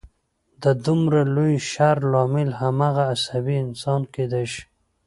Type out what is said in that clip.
د دومره لوی شر لامل هماغه عصبي انسان کېدای شي